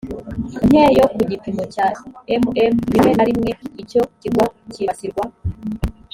nke yo ku gipimo cya mm rimwe na rimwe icyo kirwa cyibasirwa